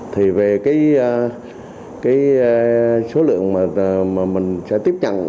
thì về cái số lượng mà mình sẽ tiếp nhận